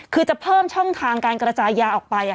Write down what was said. คือจะเพิ่มช่องทางการกระจายยาออกไป